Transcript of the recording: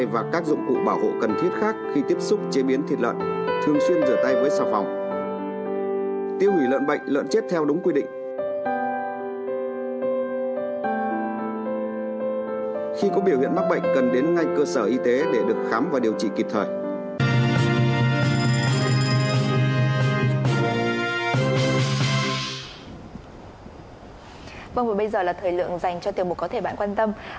vâng và bây giờ là thời lượng dành cho tiểu mục có thể bạn quan tâm